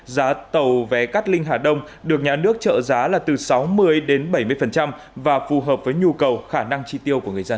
giá tàu vé cát linh hà đông được nhà nước trợ giá là từ sáu mươi đến bảy mươi và phù hợp với nhu cầu khả năng tri tiêu của người dân